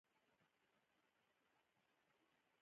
د غله د پته لګولو لپاره پرې باور کوي.